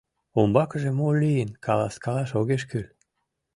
Умбакыже мо лийын, каласкалаш огеш кӱл.